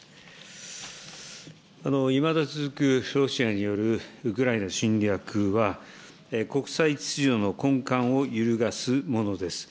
いまだ続く、ロシアによるウクライナ侵略は、国際秩序の根幹を揺るがすものです。